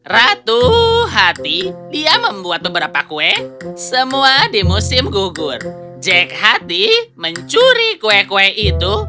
ratu hati dia membuat beberapa kue semua di musim gugur jack hati mencuri kue kue itu